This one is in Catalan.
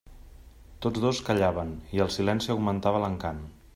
Tots dos callaven, i el silenci augmentava l'encant.